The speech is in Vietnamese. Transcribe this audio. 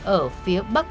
ở phía bắc